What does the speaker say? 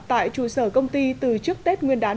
tại trụ sở công ty từ trước tết nguyên đán